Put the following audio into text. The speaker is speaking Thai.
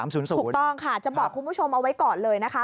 ถูกต้องค่ะจะบอกคุณผู้ชมเอาไว้ก่อนเลยนะคะ